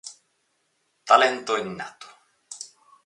Talento innato.